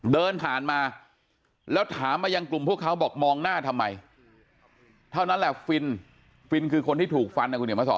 เดินผ่านมาแล้วถามมายังกลุ่มพวกเขาบอกมองหน้าทำไมเท่านั้นแหละฟินฟินคือคนที่ถูกฟันนะคุณเห็นมาสอ